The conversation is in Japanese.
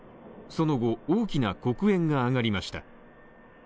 その後、大きな黒煙が上がりました。